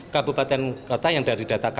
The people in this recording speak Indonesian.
kabupaten kota yang dari data